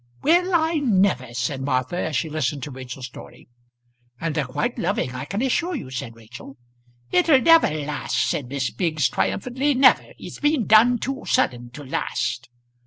"Well I never!" said Martha, as she listened to Rachel's story. "And they're quite loving I can assure you," said Rachel. "It'll never last," said Miss Biggs triumphantly "never. It's been done too sudden to last."